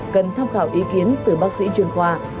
cần tham khảo ý kiến từ bác sĩ chuyên khoa